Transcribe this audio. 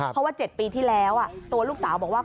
เพราะว่า๗ปีที่แล้วตัวลูกสาวบอกว่า